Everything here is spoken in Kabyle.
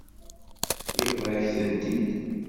Yebḍa-yak-tent-id.